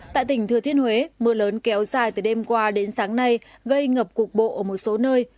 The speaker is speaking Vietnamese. tại tỉnh thừa thiên huế mưa lớn kéo dài từ đêm qua đến sáng nay gây ngập cục bộ ở một số nơi